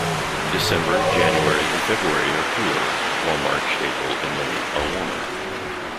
December, January and February are cooler, while March, April and May are warmer.